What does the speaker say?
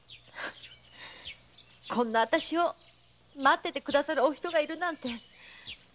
こんなあたしを待っててくださるお人がいるなんて。